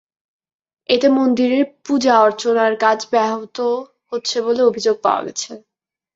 এতে মন্দিরের পূজা অর্চনার কাজ ব্যাহত হচ্ছে বলে অভিযোগ পাওয়া গেছে।